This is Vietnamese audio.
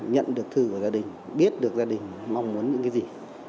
nhận được thư của gia đình biết được gia đình mong muốn những cái gì